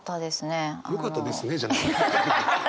「よかったですね」じゃないのよ。